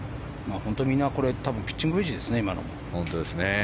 本当にみんなピッチングウェッジですね。